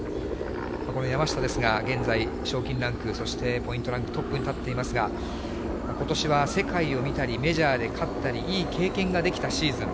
この山下ですか、現在、賞金ランク、そしてポイントランクトップに立っていますが、ことしは世界を見たり、メジャーで勝ったり、いい経験ができたシーズン。